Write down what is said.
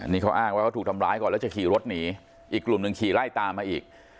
นี่เขาอ้างว่าเขาถูกทำร้ายก่อนแล้วจะขี่รถหนีอีกกลุ่มหนึ่งขี่ไล่ตามมาอีก